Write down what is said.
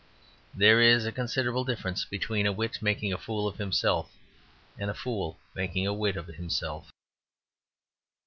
There is considerable difference between a wit making a fool of himself and a fool making a wit of himself.